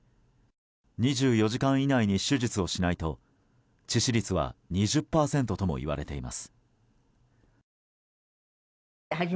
２４時間以内に手術をしないと致死率は２０％ともいわれています。